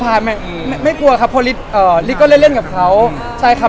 ผ่านทางผู้จัดการก็คือพี่เมย์ผู้จัดการพี่โน่